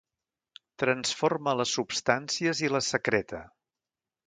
Transforma les substàncies i les secreta.